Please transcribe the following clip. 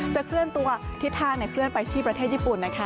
เคลื่อนตัวทิศทางเคลื่อนไปที่ประเทศญี่ปุ่นนะคะ